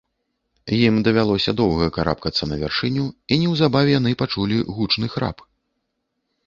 Ім давялося доўга карабкацца на вяршыню, і неўзабаве яны пачулі гучны храп.